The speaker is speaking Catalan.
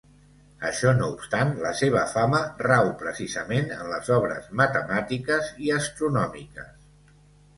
Això no obstant, la seva fama rau precisament en les obres matemàtiques i astronòmiques.